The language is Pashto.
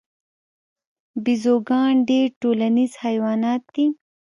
بیزوګان ډیر ټولنیز حیوانات دي